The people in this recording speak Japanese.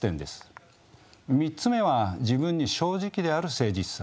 ３つ目は自分に正直である誠実さ。